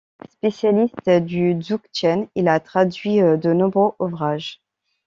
Spécialiste du Dzogchen, il a traduit de nombreux ouvrages.